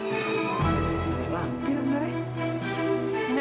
gila lampir beneran